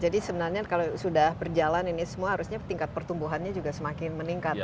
jadi sebenarnya kalau sudah berjalan ini semua harusnya tingkat pertumbuhannya juga semakin meningkat ya